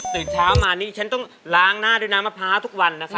ตื่นเช้ามานี่ฉันต้องล้างหน้าด้วยน้ำมะพร้าวทุกวันนะคะ